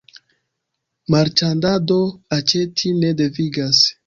Marĉandado aĉeti ne devigas.